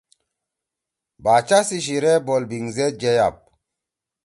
باچا سی شیِرے بُولبینگ زید جیئی آپ۔